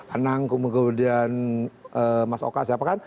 anang kemudian mas oka siapa kan